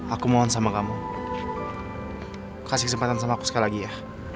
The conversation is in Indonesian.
aku mohon sama kamu kasih kesempatan sama aku sekali lagi ya